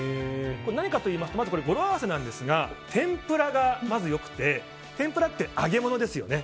何かといいますとまず語呂合わせなんですがまず、天ぷらがよくて天ぷらって揚げ物ですよね。